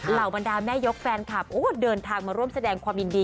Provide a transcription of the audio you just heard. เหล่าบรรดาแม่ยกแฟนคลับเดินทางมาร่วมแสดงความยินดี